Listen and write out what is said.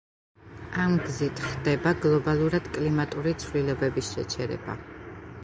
ამ გზით ხდება გლობალურად კლიმატური ცვლილების შეჩერება.